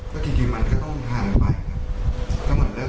ต่อไปได้แต่เรื่องน้ำนมอะไรอยู่ตรงนี้